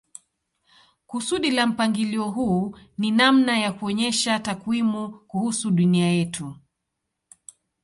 Kusudi la mpangilio huu ni namna ya kuonyesha takwimu kuhusu dunia yetu.